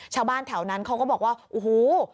ชาวบ้านแถวนั้นเขาก็บอกว่าโอ้โห